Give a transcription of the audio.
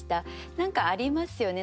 何かありますよね。